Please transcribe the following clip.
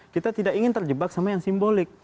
kita tidak ingin terjebak sama yang simbolik